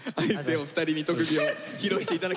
お二人に特技を披露していただきました。